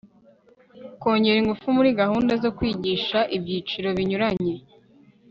kongera ingufu muri gahunda zo kwigisha ibyiciro binyuranye